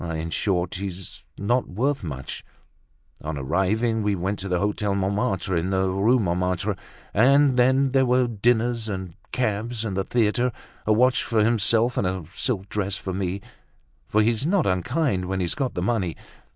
In short, he's not worth much. On arriving, we went to the Hotel Montmartre, in the Rue Montmartre. And then there were dinners, and cabs, and the theatre; a watch for himself and a silk dress for me, for he's not unkind when he's got the money.